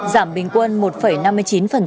giảm bình quân một năm mươi chín một năm